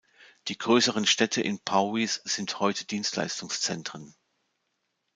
Die größeren Städte in Powys sind heute Dienstleistungszentren.